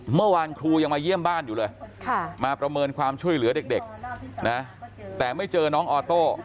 เมื่อวานครูยังมาเยี่ยมบ้านอยู่เลยมาประเมินความช่วยเหลือเด็กนะแต่ไม่เจอน้องออโต้